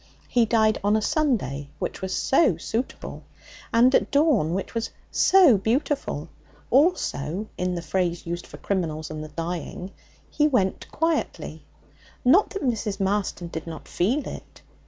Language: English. He died on a Sunday, which was 'so suitable,' and at dawn, which was 'so beautiful'; also (in the phrase used for criminals and the dying) 'he went quietly.' Not that Mrs. Marston did not feel it.